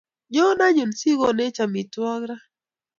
Nyo anyun sikonech amitwogik ra